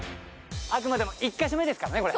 あくまでも１カ所目ですからね